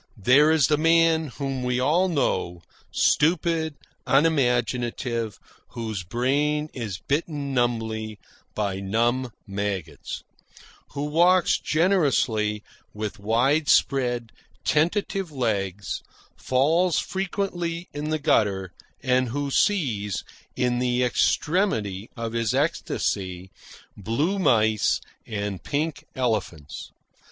There is the man whom we all know, stupid, unimaginative, whose brain is bitten numbly by numb maggots; who walks generously with wide spread, tentative legs, falls frequently in the gutter, and who sees, in the extremity of his ecstasy, blue mice and pink elephants.